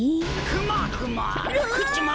クマクマ！